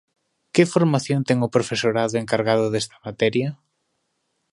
¿Que formación ten o profesorado encargado desta materia?